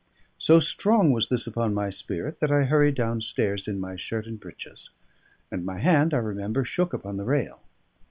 So strong was this upon my spirit that I hurried downstairs in my shirt and breeches, and my hand (I remember) shook upon the rail.